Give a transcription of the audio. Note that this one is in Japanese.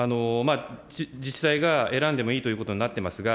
自治体が選んでもいいということになってますが、